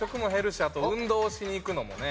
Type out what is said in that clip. あと運動しに行くのもね。